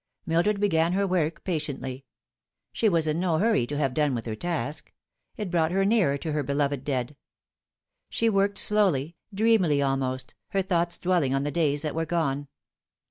Mildred began her work patiently. She was in no hurry to have done with her task ; it brought her nearer to her beloved dead. She worked slowly, dreamily almost, her thoughts dwell ing on the days that were gone.